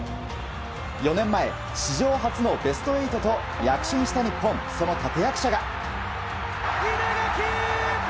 ４年前、史上初のベスト８と躍進した日本、その立役者が。